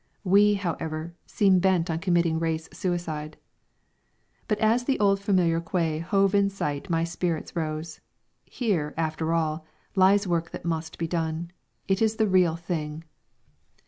We, however, seem bent on committing race suicide. But as the old familiar quay hove in sight my spirits rose. Here, after all, lies work that must be done. It is the Real Thing.